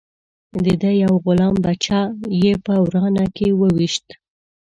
د ده یو غلام بچه یې په ورانه کې وويشت.